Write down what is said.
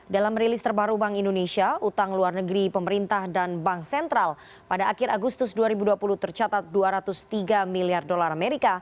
dalam rilis terbaru bank indonesia utang luar negeri pemerintah dan bank sentral pada akhir agustus dua ribu dua puluh tercatat dua ratus tiga miliar dolar amerika